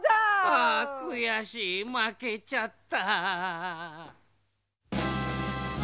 あくやしいまけちゃった。